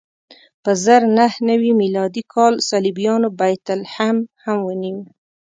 په زر نهه نوې میلادي کال صلیبیانو بیت لحم هم ونیو.